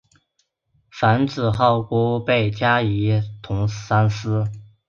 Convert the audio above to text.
樊子鹄被加仪同三司。